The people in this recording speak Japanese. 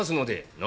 「何？